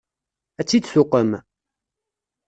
Ad tt-id-tuqem?